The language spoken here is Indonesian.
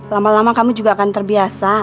lama lama kami juga akan terbiasa